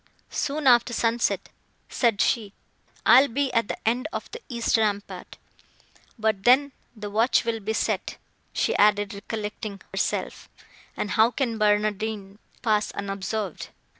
"Soon after sunset," said she, "I will be at the end of the east rampart. But then the watch will be set," she added, recollecting herself, "and how can Barnardine pass unobserved?"